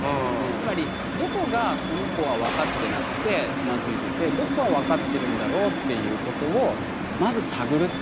つまりどこがこの子は分かってなくてつまずいててどこは分かってるんだろうっていうことをまず探るっていうこと。